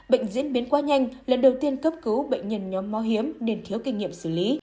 bệnh diễn biến quá nhanh lần đầu tiên cấp cứu bệnh nhân nhóm máu hiếm nên thiếu kinh nghiệm xử lý